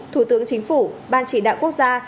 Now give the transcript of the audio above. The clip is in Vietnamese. thủ tướng chính phủ ban chỉ đạo quốc gia